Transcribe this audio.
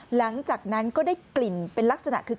หลังจากนั้นก็ได้กลิ่นเป็นลักษณะคือ